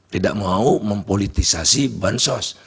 tidak mau mempolitisasi bansos